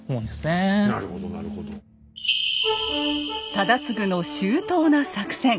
忠次の周到な作戦。